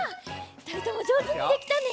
ふたりともじょうずにできたね。